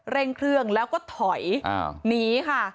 เร่งเครื่องแล้วก็ถอยหนีค่ะ